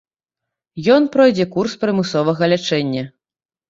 Ён пройдзе курс прымусовага лячэння.